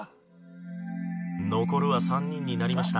残るは３人になりました。